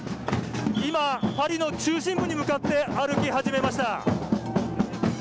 今、パリの中心部に向かって歩き始めました。